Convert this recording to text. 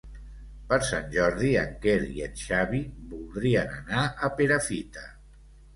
Per Sant Jordi en Quer i en Xavi voldrien anar a Perafita.